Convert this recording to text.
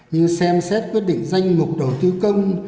như xem xét quyết định danh mục đầu tư công